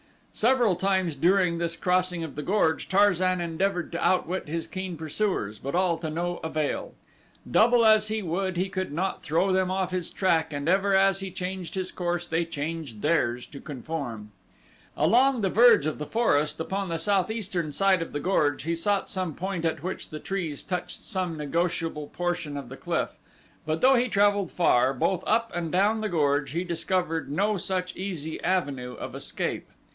Several times during this crossing of the gorge Tarzan endeavored to outwit his keen pursuers, but all to no avail. Double as he would he could not throw them off his track and ever as he changed his course they changed theirs to conform. Along the verge of the forest upon the southeastern side of the gorge he sought some point at which the trees touched some negotiable portion of the cliff, but though he traveled far both up and down the gorge he discovered no such easy avenue of escape.